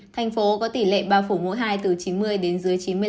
thành phố có tỷ lệ bao phủ mũi hai từ chín mươi đến dưới chín mươi năm